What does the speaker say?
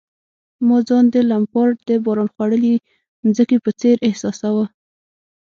ما ځان د لمپارډ د باران خوړلي مځکې په څېر احساساوه.